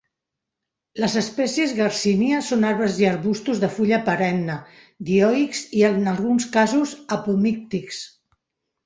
Les espècies "Garcinia" són arbres i arbustos de fulla perenne, dioics i en alguns casos, apomíctics.